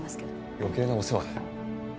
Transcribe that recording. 余計なお世話だよ。